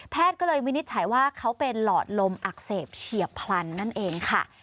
ก็เลยวินิจฉัยว่าเขาเป็นหลอดลมอักเสบเฉียบพลันนั่นเองค่ะ